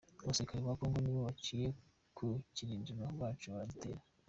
"Abasirikare ba Congo nibo baciye ku kirindiro cacu, baradutera.